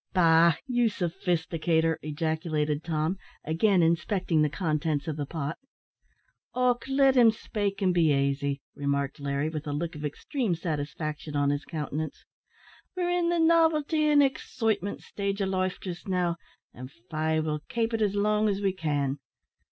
"Bah! you sophisticator," ejaculated Tom, again inspecting the contents of the pot. "Och, let him spake, an' be aisy," remarked Larry, with a look of extreme satisfaction on his countenance; "we're in the navelty an' excitement stage o' life just now, an faix we'll kape it up as long as we can.